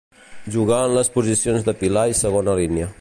Jugà en les posicions de pilar i segona línia.